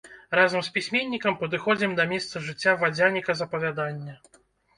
Разам з пісьменнікам падыходзім да месца жыцця вадзяніка з апавядання.